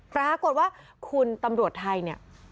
ปรากฏว่าคุณตำรวจไทยเนี่ย